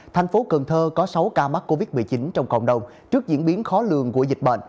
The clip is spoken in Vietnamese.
thành phố cần thơ có sáu ca mắc covid một mươi chín trong cộng đồng trước diễn biến khó lường của dịch bệnh